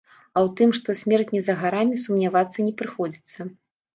А ў тым, што смерць не за гарамі, сумнявацца не прыходзіцца.